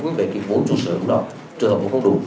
nhờ bình thức bot